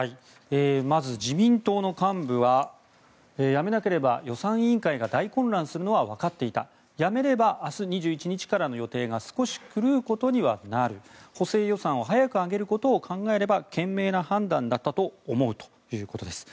まず自民党の幹部は辞めなければ予算委員会が大混乱するのはわかっていた辞めれば明日２１日からの予定が少し狂うことにはなる補正予算を早く上げることを考えれば賢明な判断だったと思うということです。